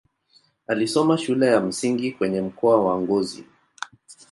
Alisoma shule ya msingi kwenye mkoa wa Ngozi.